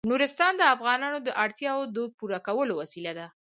نورستان د افغانانو د اړتیاوو د پوره کولو وسیله ده.